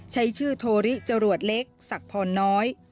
ใช้ชื่อโทริจะรวดเล็กสักพอน้อย